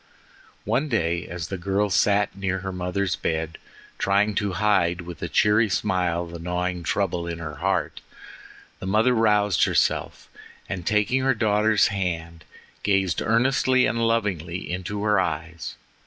One day as the girl sat near her mother's bed, trying to hide with a cheery smile the gnawing trouble at her heart, the mother roused herself and taking her daughter's hand, gazed earnestly and lovingly into her eyes.